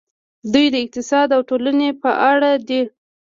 دوی د اقتصاد او ټولنې په اړه دي.